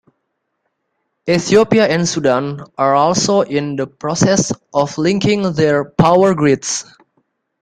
Ethiopia and Sudan are also in the process of linking their power grids.